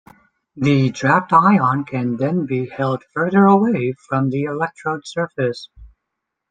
The trapped ion can then be held further away from the electrode surfaces.